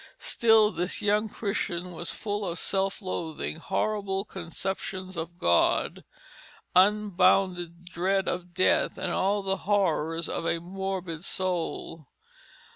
Still this young Christian was full of self loathing, horrible conceptions of God, unbounded dread of death, and all the horrors of a morbid soul.